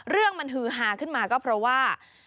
เรื่องมันฮือฮาขึ้นมาก็เพราะว่า